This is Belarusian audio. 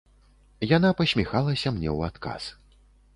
Яна пасміхалася мне ў адказ.